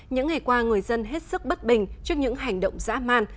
những ngày qua người dân hết sức bất bình trước những hành động dã man